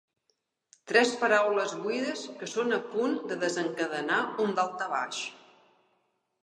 Tres paraules buides que són a punt de desencadenar un daltabaix.